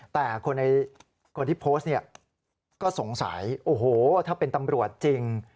แต่คนที่โพสต์เนี่ยก็สงสัยโอ้โหถ้าเป็นตำรวจจริง